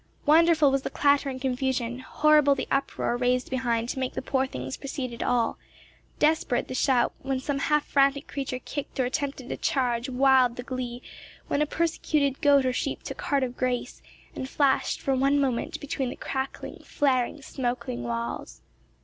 Wonderful was the clatter and confusion, horrible the uproar raised behind to make the poor things proceed at all, desperate the shout when some half frantic creature kicked or attempted a charge wild the glee when a persecuted goat or sheep took heart of grace, and flashed for one moment between the crackling, flaring, smoking walls.